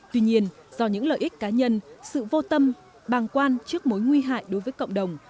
tuy nhiên do những lợi ích cá nhân sự vô tâm bàng quan trước mối nguy hại đối với cộng đồng